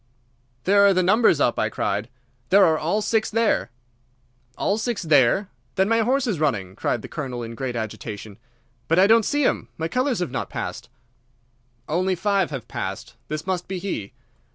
"There are the numbers up," I cried. "They are all six there." "All six there? Then my horse is running," cried the Colonel in great agitation. "But I don't see him. My colours have not passed." "Only five have passed. This must be he."